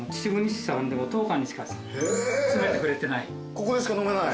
ここでしか飲めない？